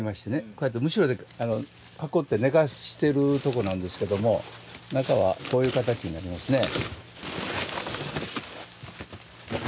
こうやってむしろで囲って寝かしてるとこなんですけども中はこういう形になりますね。